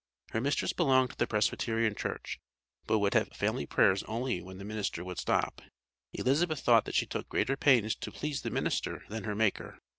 Her mistress belonged to the Presbyterian Church, but would have "family prayers only when the minister would stop;" Elizabeth thought that she took greater pains to please the minister than her Maker.